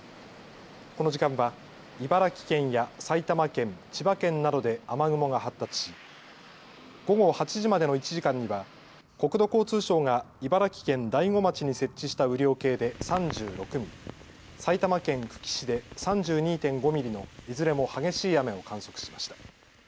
この時間は茨城県や埼玉県、千葉県などで雨雲が発達し午後８時までの１時間には国土交通省が茨城県大子町に設置した雨量計で３６ミリ、埼玉県久喜市で３２．５ミリのいずれも激しい雨を観測しました。